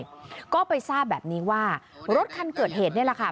แล้วก็ไปทราบแบบนี้ว่ารถคันเกิดเหตุนี่แหละค่ะ